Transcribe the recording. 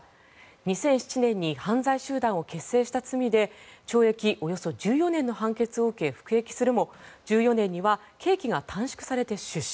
２００７年に犯罪集団を結成した罪で懲役１４年の判決を受け服役するも、２０１４年には刑期が短縮されて出所。